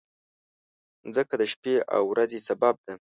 مځکه د شپې او ورځې سبب ده.